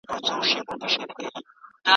تر هغې چې د نړۍ په هر دسترخان.